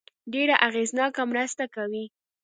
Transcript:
ډېره اغېزناکه مرسته کوي.